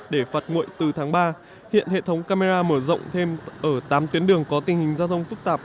để phạt nguội từ tháng ba hiện hệ thống camera mở rộng thêm ở tám tuyến đường có tình hình giao thông phức tạp